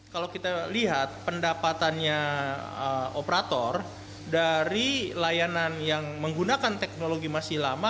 kalau kita lihat pendapatannya operator dari layanan yang menggunakan teknologi masih lama